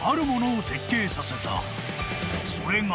［それが］